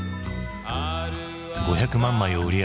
５００万枚を売り上げ